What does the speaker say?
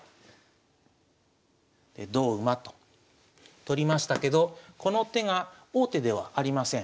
で同馬と取りましたけどこの手が王手ではありません。